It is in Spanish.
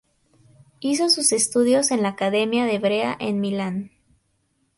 Hizo sus estudios en la academia de Brera en Milán.